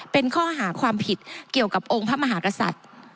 เป็นข้อหาความผิดเกี่ยวกับโครงพระมหาสัตว์